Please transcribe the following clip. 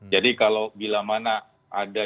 jadi kalau bila mana ada